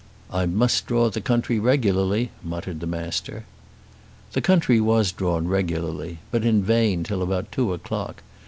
"I must draw the country regularly," muttered the Master. The country was drawn regularly, but in vain till about two o'clock.